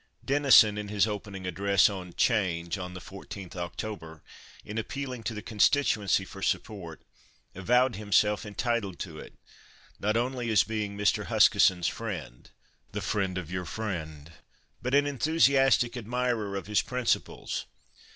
Denison, in his opening address on 'Change, on the 14th October, in appealing to the constituency for support, avowed himself entitled to it, not only as being Mr. Huskisson's friend "the friend of your friend" but an enthusiastic admirer of his principles.